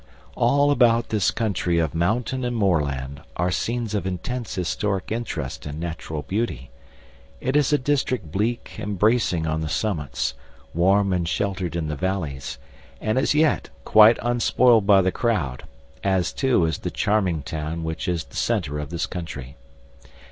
All about this country of mountain and moorland are scenes of intense historic interest and natural beauty. It is a district bleak and bracing on the summits, warm and sheltered in the valleys, and as yet quite unspoiled by the crowd, as too is the charming town which is the centre of this country.